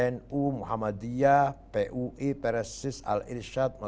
nu muhammad diyah pui peresis al isyad